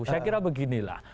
saya kira beginilah